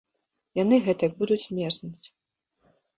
Яны гэтак будуць мерзнуць.